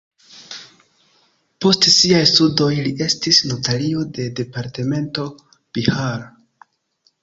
Post siaj studoj li estis notario de departemento Bihar.